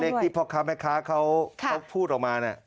เลขที่พล็อคคาร์แมคค้าเขาพูดออกมาเนี่ย